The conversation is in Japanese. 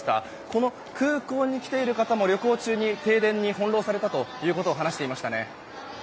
この空港に来ている方も旅行中に停電に翻弄されたと話していましたね。